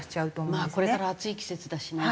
まあこれから暑い季節だしね。